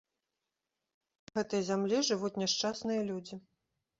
На гэтай зямлі жывуць няшчасныя людзі.